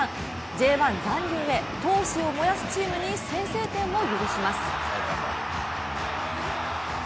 Ｊ１残留へ、闘志を燃やすチームに先制点を許します。